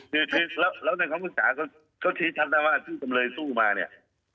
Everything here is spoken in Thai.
แล้วแล้วในคำตะก้าที่ชัดไหนว่าชื่อสำเรยสู้มาเนี้ย